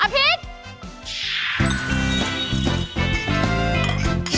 อภิกษ์